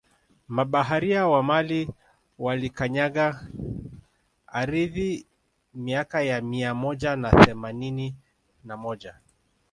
Mabaharia wa Mali walikanyaga aridhi miaka ya Mia moja na themanini na moja